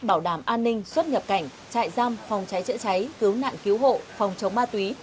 bảo đảm an ninh xuất nhập cảnh trại giam phòng cháy chữa cháy cứu nạn cứu hộ phòng chống ma túy